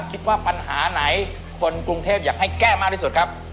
คิดว่าปัญหาไหนคนกรุงเทพอยากให้แก้มากที่สุดครับ